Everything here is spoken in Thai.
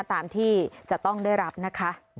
ตามที่จะต้องได้รับนะคะ